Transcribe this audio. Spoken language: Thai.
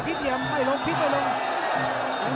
พลิกเหนียมไม่ลงพลิกไม่ลง